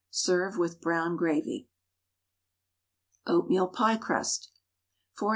Serve with brown gravy. OATMEAL PIE CRUST. 4 oz.